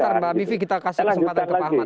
sebentar mbak bivi kita kasih kesempatan ke pak ahmad